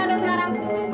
terus dimana udah sekarang